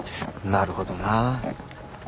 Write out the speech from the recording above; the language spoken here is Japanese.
なるほどな。